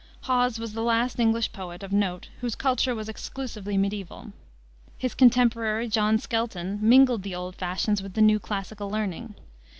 Hawes was the last English poet of note whose culture was exclusively mediaeval. His contemporary, John Skelton, mingled the old fashions with the new classical learning.